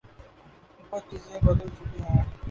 بہت چیزیں بدل چکی ہوں۔